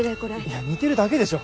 いや似てるだけでしょ。